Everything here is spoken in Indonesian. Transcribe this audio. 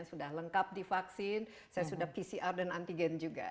sudah lengkap divaksin saya sudah pcr dan antigen juga